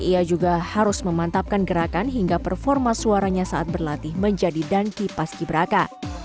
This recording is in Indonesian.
ia juga harus memantapkan gerakan hingga performa suaranya saat berlatih menjadi danki paski beraka